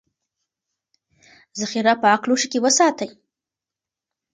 ذخیره پاک لوښي کې وساتئ.